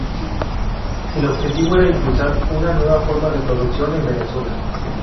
El objetivo era impulsar "una nueva forma de producción" en Venezuela.